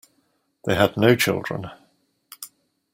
They had no children.